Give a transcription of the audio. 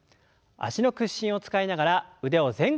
脚の屈伸を使いながら腕を前後に振ります。